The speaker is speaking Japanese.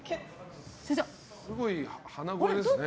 すごい、鼻声ですね。